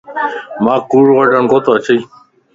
مانک ڪوڙ وڊاڻ ڪوتو اچي